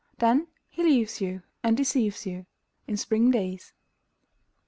Then he leaves you and deceives you In spring days.